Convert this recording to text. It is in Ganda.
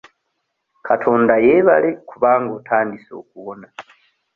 Katonda yeebale kubanga otandise okuwona.